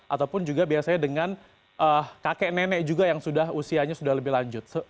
ataupun juga biasanya dengan kakek nenek juga yang sudah usianya sudah lebih lanjut